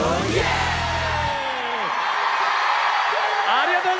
ありがとう！